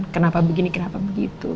kenapa begini kenapa begitu